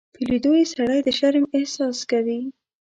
په لیدو یې سړی د شرم احساس کوي.